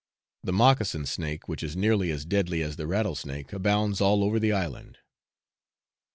The mocassin snake, which is nearly as deadly as the rattlesnake, abounds all over the island.